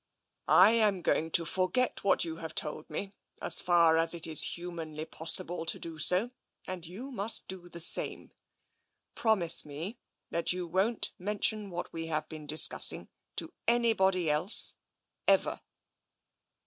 " I am going to forget what you have told me, as far as it is humanly possible to do so, and you must do the same. Promise me that you won't mention what we have been discussing to anybody else, ever."